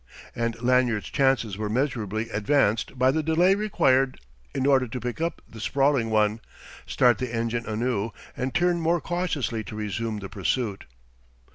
And Lanyard's chances were measurably advanced by the delay required in order to pick up the sprawling one, start the engine anew, and turn more cautiously to resume the pursuit.